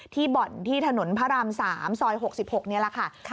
บ่อนที่ถนนพระราม๓ซอย๖๖นี่แหละค่ะ